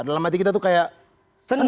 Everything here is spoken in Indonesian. dalam hati kita itu kayak seneng